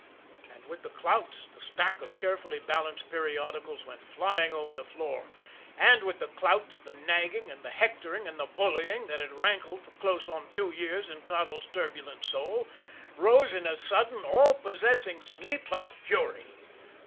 And with the clouts, the stack of carefully balanced periodicals went flying over the floor; and with the clouts, the nagging, and the hectoring, and the bullying, that had rankled for close on two years in Toddles' turbulent soul, rose in a sudden all possessing sweep of fury.